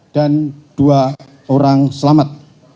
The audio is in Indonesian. dan dua orang selamat